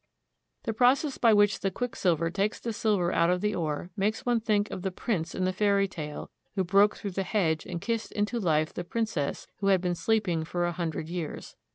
The process by which the quicksilver takes the silver out of the ore makes one think of the prince in the fairy tale, who broke through the hedge and kissed into life the princess who had been sleeping for a hundred years.